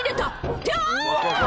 ってあぁ！